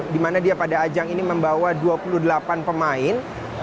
di mana dia pada ajang ini membawa dua puluh delapan pemain